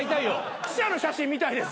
記者の写真見たいです